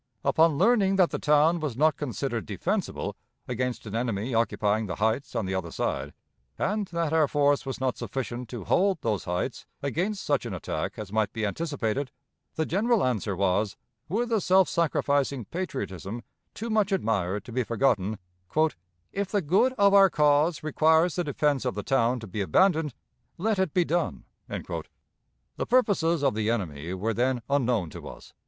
Upon learning that the town was not considered defensible against an enemy occupying the heights on the other side, and that our force was not sufficient to hold those heights against such an attack as might be anticipated, the general answer was, with a self sacrificing patriotism too much admired to be forgotten, "If the good of our cause requires the defense of the town to be abandoned, let it be done." The purposes of the enemy were then unknown to us.